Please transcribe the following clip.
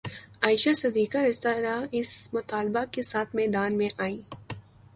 عائشہ صدیقہ رض اس مطالبہ کے ساتھ میدان میں آئیں